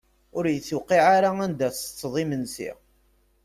Ur yi-tewqiε ara anda tettetteḍ imensi.